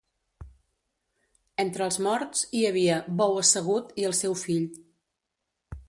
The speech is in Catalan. Entre els morts hi havia Bou Assegut i el seu fill.